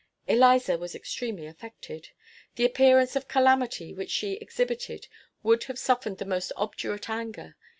Eliza was extremely affected. The appearance of calamity which she exhibited would have softened the most obdurate anger.